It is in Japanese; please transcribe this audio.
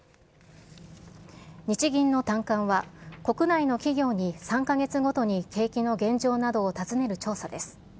日銀の短観は、国内の企業に３か月ごとに景気の現状などを尋ねる調査です。